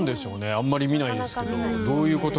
あんまり見ないですけど。